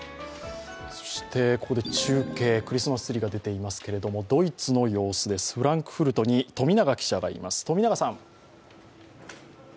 そして、ここで中継、クリスマスツリーが出ていますけれども、ドイツの様子ですフランクフルトに富永記者がいます。